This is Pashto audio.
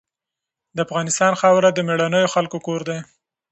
د افغانستان خاوره د مېړنیو خلکو کور دی.